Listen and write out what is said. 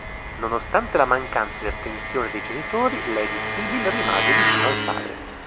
Nonostante la mancanza di attenzione dei genitori, Lady Sybil rimase vicino al padre.